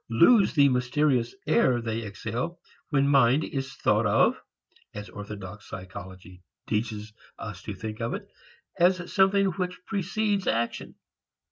lose the mysterious air they exhale when mind is thought of (as orthodox psychology teaches us to think of it) as something which precedes action.